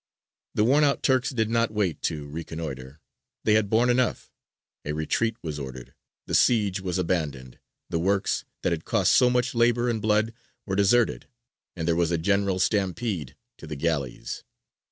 The worn out Turks did not wait to reconnoitre, they had borne enough: a retreat was ordered, the siege was abandoned, the works that had cost so much labour and blood were deserted, and there was a general stampede to the galleys.